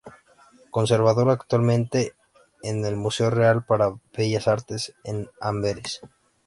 Conservado actualmente en el Museo Real para Bellas artes en Amberes.